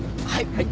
はい。